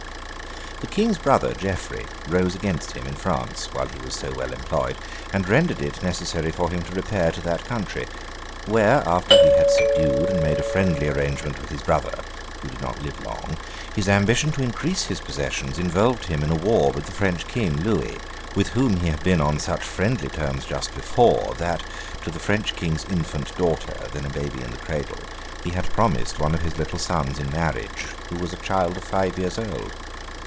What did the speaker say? The King's brother, Geoffrey, rose against him in France, while he was so well employed, and rendered it necessary for him to repair to that country; where, after he had subdued and made a friendly arrangement with his brother (who did not live long), his ambition to increase his possessions involved him in a war with the French King, Louis, with whom he had been on such friendly terms just before, that to the French King's infant daughter, then a baby in the cradle, he had promised one of his little sons in marriage, who was a child of five years old.